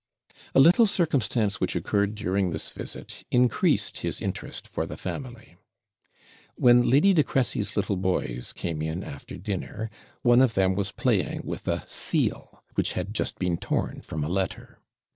A little circumstance which occurred during this visit increased his interest for the family. When Lady de Cresey's little boys came in after dinner, one of them was playing with a seal, which had just been torn from a letter.